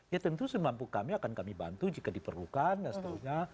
ya tentu semampu kami akan kami bantu jika diperlukan dan seterusnya